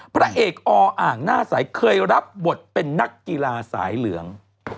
พระเอกออ่างหน้าใสเคยรับบทเป็นนักกีฬาสายเหลือง